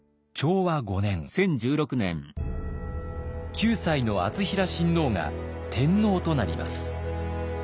９歳の敦成親王が天皇となります。